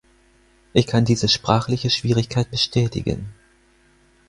Ich kann diese sprachliche Schwierigkeit bestätigen.